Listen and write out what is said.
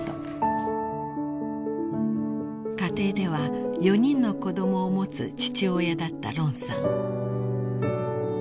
［家庭では４人の子供を持つ父親だったロンさん］